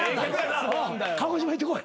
鹿児島行ってこい。